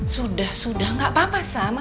sudah sudah gak apa apa sa